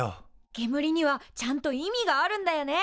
けむりにはちゃんと意味があるんだよね。